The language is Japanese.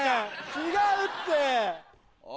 違うって。